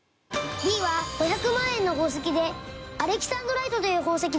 Ｂは５００万円の宝石でアレキサンドライトという宝石です。